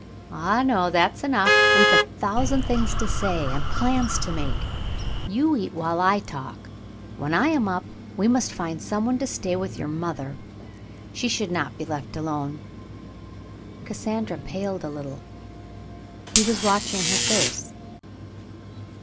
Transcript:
"Ah, no, that's enough. WeVe a thousand things to say and plans to make. You eat while I talk. When I am up, we must find some one to stay with your mother. She should not be left alone." Cassandra paled a little. He was watching her face.